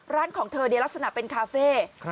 ร้านของเธอเนี่ยลักษณะเป็นคาเฟ่